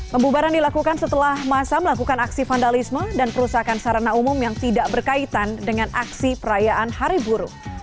pembubaran dilakukan setelah masa melakukan aksi vandalisme dan perusakan sarana umum yang tidak berkaitan dengan aksi perayaan hari buruh